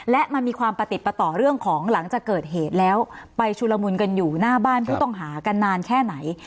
และมันมีความประติดประต่อเรื่องของหลังจากเกิดเหตุแล้วไปชุลมุนกันอยู่หน้าบ้านผู้ต้องหากันนานแค่ไหน